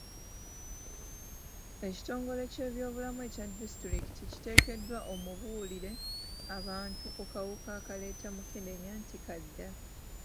Ekitongole ky'ebyobulamu ekya disitulikiti kiteekeddwa omubuulire abantu ku kawuka akaleeta mukenenya nti ka ddala.